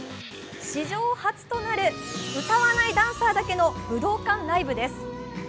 史上初となる歌わないダンサーだけの武道館ライブです。